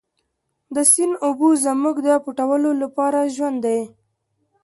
د سیند اوبه زموږ د پټیو لپاره ژوند دی.